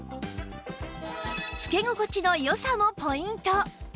着け心地の良さもポイント